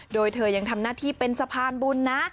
โดยเธอยังทำหน้าที่เป็นสะพานบุญนะ